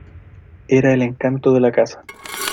Era el encanto de la casa.